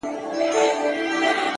که مړ سوم نو ومنه؛